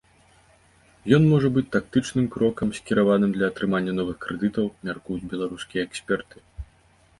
Ён можа быць тактычным крокам, скіраваным для атрымання новых крэдытаў, мяркуюць беларускія эксперты.